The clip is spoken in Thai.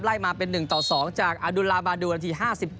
ไล่มาเป็น๑๒จากอาดูลาบาดูนาที๕๗